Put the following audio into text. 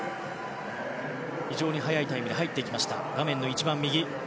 非常に速いタイムで入ってきました、画面の一番右。